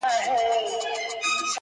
یوه بل ته یې ویله چي بیلیږو!